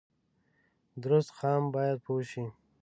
درست قام باید پوه شي